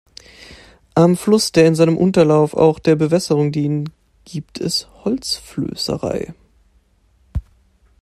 Am Fluss, der in seinem Unterlauf auch der Bewässerung dient, gibt es Holzflößerei.